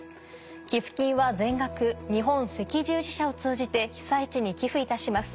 寄付金は全額日本赤十字社を通じて被災地に寄付いたします。